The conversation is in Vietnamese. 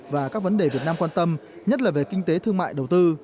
và các vấn đề việt nam quan tâm nhất là về kinh tế thương mại đầu tư